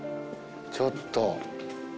ちょっと。